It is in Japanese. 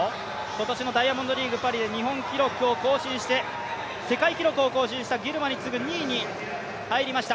今年のダイヤモンドリーグパリで日本記録を更新して、世界記録を更新したギルマに次ぐ２位に入りました。